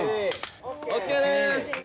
・・ＯＫです！